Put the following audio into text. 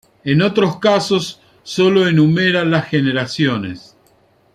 En otros casos, sólo enumera las generaciones.